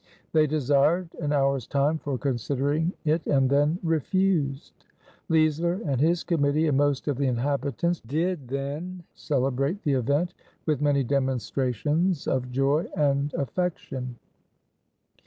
They desired an hour's time for considering it, and then refused. Leisler and his Committee and most of the inhabitants did then celebrate the event with many demonstrations of joy and affection.